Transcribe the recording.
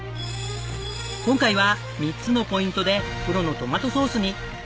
今回は３つのポイントでプロのトマトソースに。